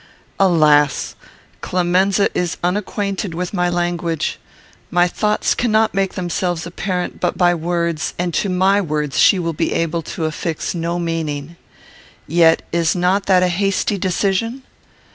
Alas! Clemenza is unacquainted with my language. My thoughts cannot make themselves apparent but by words, and to my words she will be able to affix no meaning. Yet is not that a hasty decision?